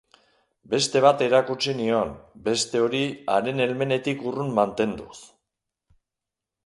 Beste bat erakutsi nion, beste hori haren helmenetik urrun mantenduz.